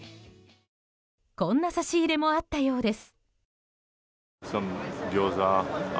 こんな差し入れもあったようです。